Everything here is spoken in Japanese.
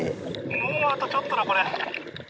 もうあとちょっとだこれ。